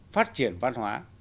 phát triển văn hóa